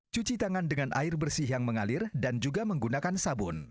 cuci tangan dengan air bersih yang mengalir dan juga menggunakan sabun